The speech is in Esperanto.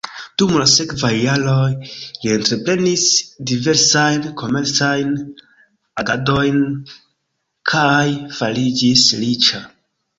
Dum la sekvaj jaroj li entreprenis diversajn komercajn agadojn kaj fariĝis riĉa.